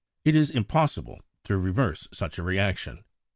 (4) It is impossible to reverse such a reaction.